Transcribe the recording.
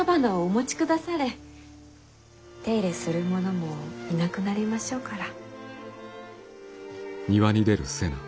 手入れする者もいなくなりましょうから。